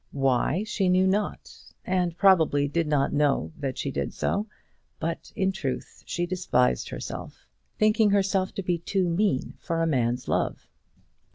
Why, she knew not; and probably did not know that she did so. But, in truth, she despised herself, thinking herself to be too mean for a man's love.